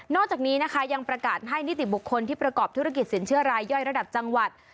จากนี้นะคะยังประกาศให้นิติบุคคลที่ประกอบธุรกิจสินเชื่อรายย่อยระดับจังหวัด